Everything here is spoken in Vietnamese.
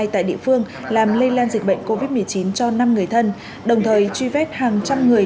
tại địa phương làm lây lan dịch bệnh covid một mươi chín cho năm người thân đồng thời truy vết hàng trăm người